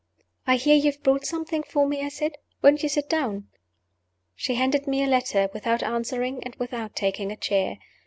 "I hear you have brought something for me?" I said. "Won't you sit down?" She handed me a letter without answering and without taking a chair.